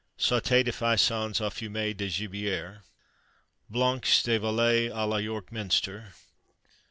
_ Sauté de Faisans au fumet de Gibier. Blancs de Volaille à la York Minster.